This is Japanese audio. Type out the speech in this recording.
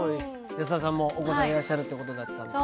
安田さんもお子さんいらっしゃるってことだったんで。